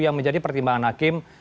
yang menjadi pertimbangan hakim